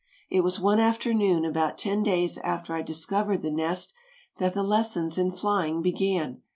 It was one afternoon, about ten days after I discovered the nest, that the lessons in flying began.